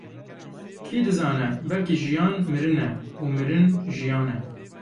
Kî dizane, belkî jiyan mirin e û mirin jiyan e!